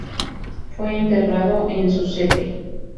Fue enterrado en Suzette.